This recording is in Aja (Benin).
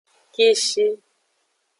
Kishi.